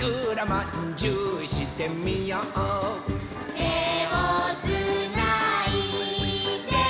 「てをつないで」